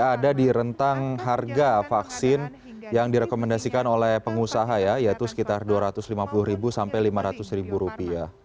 ini dianggap perlu dijamin kesehatan milik pemerintah termasuk